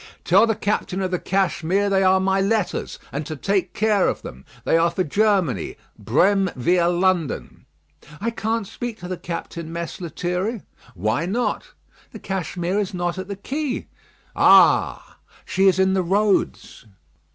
"Tell the captain of the Cashmere they are my letters, and to take care of them. They are for Germany Brême viâ London." "I can't speak to the captain, Mess Lethierry." "Why not?" "The Cashmere is not at the quay." "Ah!" "She is in the roads."